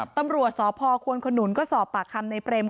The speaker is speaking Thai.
ตำรวจสพควนขนุนก็สอบปากคำในเปรม